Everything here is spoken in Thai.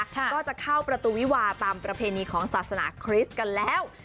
ก็จะเข้าประตูวิวาตามประเพณีของศาสนาคริสต์กันแล้ว